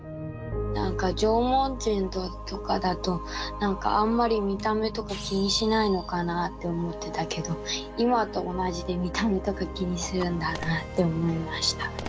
なんか縄文人とかだとなんかあんまり見た目とか気にしないのかなあって思ってたけど今と同じで見た目とか気にするんだなあって思いました。